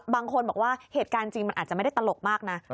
บางคนบอกว่าเหตุการณ์จริงมันอาจจะไม่ได้ตลกมากนะ